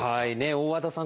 大和田さん